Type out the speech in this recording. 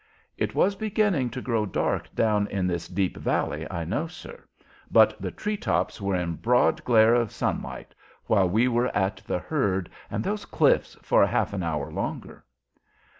"It was beginning to grow dark down in this deep valley, I know, sir; but the tree tops were in a broad glare of sunlight while we were at the herd, and those cliffs for half an hour longer."